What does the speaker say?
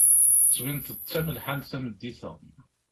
Tettbineḍ-d d tamelḥant tameddit-a.